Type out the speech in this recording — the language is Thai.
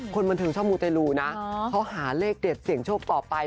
คนบันเทิงชอบมูเตรลูนะเขาหาเลขเด็ดเสี่ยงโชคต่อไป